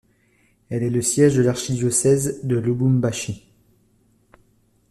Elle est le siège de l'Archidiocèse de Lubumbashi.